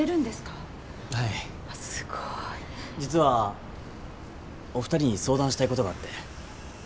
実はお二人に相談したいことがあって。